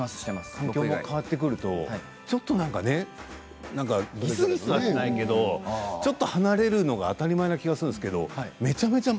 環境も変わってくるとちょっとぎすぎすはしないけどちょっと離れるのが当たり前な気がするんですけどめっちゃめちゃ